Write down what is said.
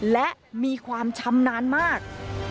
และมีความชำนาญมาก